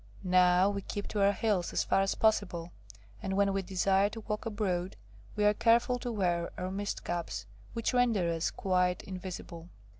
Now we keep to our hills as far as possible, and when we desire to walk abroad, we are careful to wear our mist caps, which render us quite invisible."